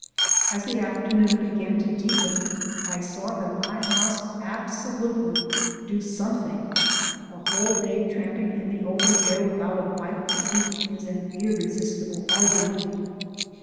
As the afternoon began to deepen I saw that I must absolutely do something: a whole day tramping in the open air without a bite to eat is an irresistible argument.